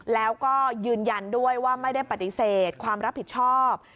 แล้วก็ยืนยันด้วยว่าไม่ได้ปฏิเสธความรับผิดชอบ